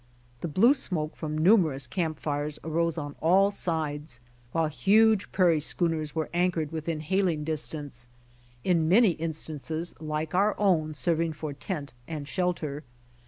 The blue smoke from numerous camp fires arose on all sides, while huge prairie schooners were anchored within hailing distance; in many instances like our own serving for tent and shelter.